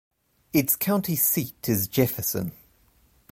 Its county seat is Jefferson.